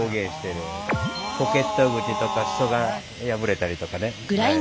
ポケット口とか裾が破れたりとかね。